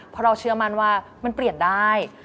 เพราะเราเชื่อมั่นว่ามันเปลี่ยนได้